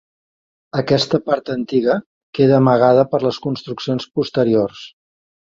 Aquesta part antiga queda amagada per les construccions posteriors.